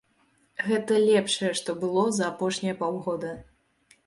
Гэта лепшае, што было за апошнія паўгода.